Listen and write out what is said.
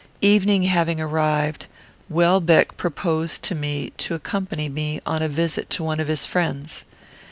Evening having arrived, Welbeck proposed to me to accompany me on a visit to one of his friends.